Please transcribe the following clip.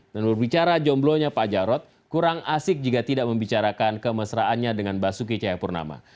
seluruh bicara jomblo nya pak jarod kurang asik jika tidak membicarakan kemesraannya dengan basuki cahayapurnama